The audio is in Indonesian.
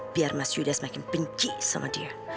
biar mas yuda semakin benci sama dia